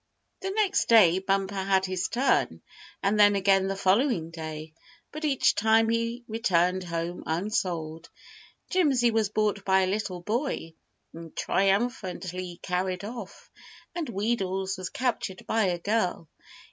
The next day Bumper had his turn, and then again the following day, but each time he returned home unsold. Jimsy was bought by a little boy, and triumphantly carried off, and Wheedles was captured by a girl.